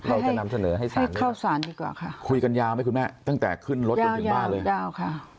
เราจะนำเสนอให้สารเข้าสารดีกว่าค่ะคุยกันยาวไหมคุณแม่ตั้งแต่ขึ้นรถจนถึงบ้านเลยยาวค่ะ